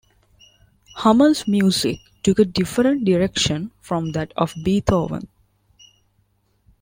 Hummel's music took a different direction from that of Beethoven.